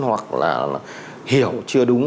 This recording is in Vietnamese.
hoặc là hiểu chưa đúng